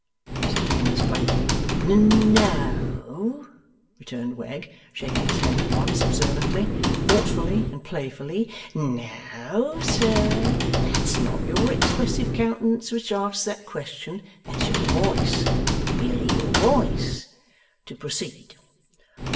said Venus bluntly. 'N no,' returned Wegg, shaking his head at once observantly, thoughtfully, and playfully. 'No, sir! That's not your expressive countenance which asks that question. That's your voice; merely your voice. To proceed.